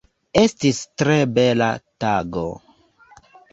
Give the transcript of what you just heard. Estis tre bela tago.